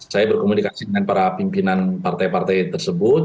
saya berkomunikasi dengan para pimpinan partai partai tersebut